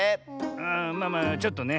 ああまあまあちょっとね。